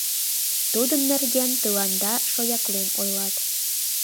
Тудын нерген тыланда шояклен ойлат.